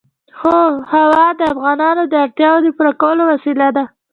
هوا د افغانانو د اړتیاوو د پوره کولو وسیله ده.